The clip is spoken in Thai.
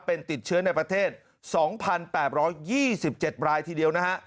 เป็นติดเชื้อในประเทศ๒๘๒๗รายทีเดียวนะฮะ